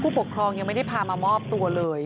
ปกครองยังไม่ได้พามามอบตัวเลย